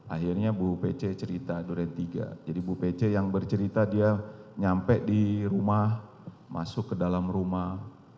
akhirnya bu pece cerita duren tiga jadi bu pece yang bercerita dia nyampe di rumah masuk ke dalam rumah